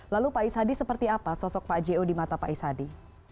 lalu pak is hadi seperti apa sosok pak j o di mata pak is hadi